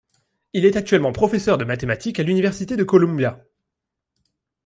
Il est actuellement professeur de mathématiques à l'Université de Columbia.